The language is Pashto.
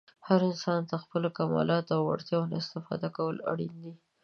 هر انسان ته د خپلو کمالاتو او وړتیاوو نه استفاده کول اړین دي.